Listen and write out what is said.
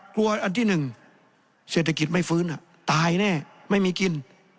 อันที่หนึ่งเศรษฐกิจไม่ฟื้นตายแน่ไม่มีกิน